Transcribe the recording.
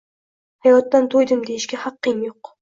Hayotdan to`ydim, deyishga haqqing yo`q